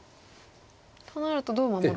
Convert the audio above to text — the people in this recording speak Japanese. となるとどう守るかと。